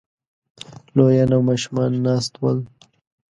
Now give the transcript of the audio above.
لويان او ماشومان ناست ول